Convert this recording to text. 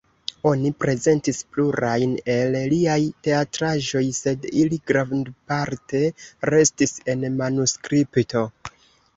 Oni prezentis plurajn el liaj teatraĵoj, sed ili grandparte restis en manuskripto.